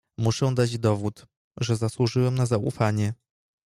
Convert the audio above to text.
"Muszę dać dowód, że zasłużyłem na zaufanie."